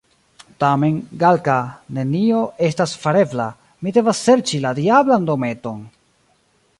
Tamen, Galka, nenio estas farebla, mi devas serĉi la diablan dometon!